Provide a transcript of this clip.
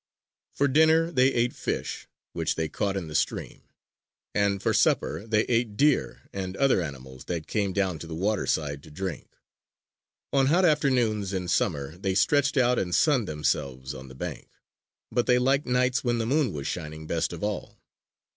For dinner they ate fish, which they caught in the stream, and for supper they ate deer and other animals that came down to the water side to drink. On hot afternoons in summer they stretched out and sunned themselves on the bank. But they liked nights when the moon was shining best of all.